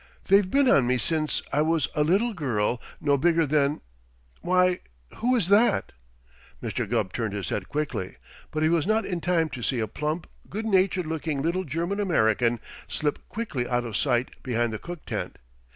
They've been on me since I was a little girl no bigger than why, who is that?" Mr. Gubb turned his head quickly, but he was not in time to see a plump, good natured looking little German American slip quickly out of sight behind the cook tent.